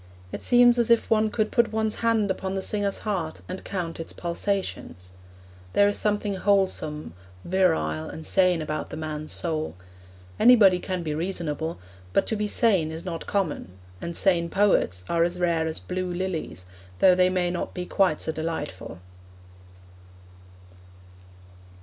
It seems as if one could put one's hand upon the singer's heart and count its pulsations. There is something wholesome, virile and sane about the man's soul. Anybody can be reasonable, but to be sane is not common; and sane poets are as rare as blue lilies, though they may not be quite so delightful.